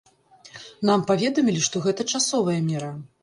Нам паведамілі, што гэта часовая мера.